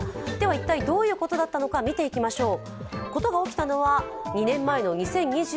一体どういうことだったのか見ていきましょう。